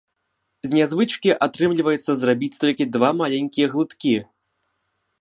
З нязвычкі атрымліваецца зрабіць толькі два маленькія глыткі.